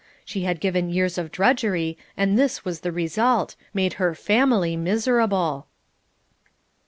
She had given years of drudgery and this was the result: made her family miserable.